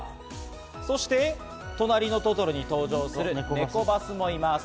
そして『となりのトトロ』に登場するネコバスもいます。